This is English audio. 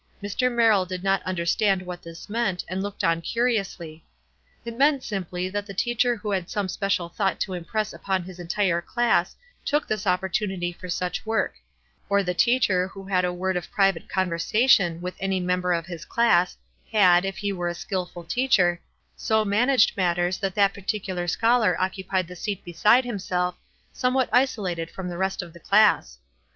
Mr. Mer rill did not understand what this meant, and looked on curiously. It meant simply that the teacher who had some special thought to impress upon his entire class took this opportunity for such work ; or the teacher who had a word of private conversation with any member of his class, had, if he were a skillful teacher, so man aged matters that that particular scholar occu pied the seat beside himself, somewhat isolated from the rest of the class.